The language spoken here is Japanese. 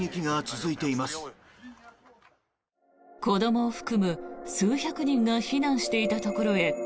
子どもを含む数百人が避難していたところへ